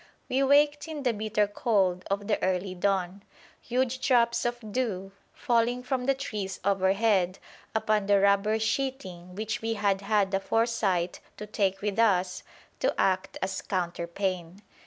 We waked in the bitter cold of the early dawn, huge drops of dew falling from the trees overhead upon the rubber sheeting which we had had the foresight to take with us to act as counterpane.